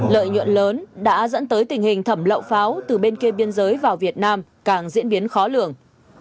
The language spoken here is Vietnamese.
lợi nhuận lớn đã dẫn tới tình hình thẩm lậu pháo từ bên kia biên giới vào việt nam càng diễn biến khó lường